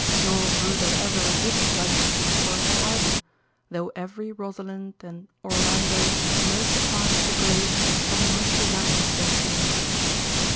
Nor grew there ever a wood like to the Forest of Arden, though every Rosalind and Orlando knows the path to glades having much resemblance thereto.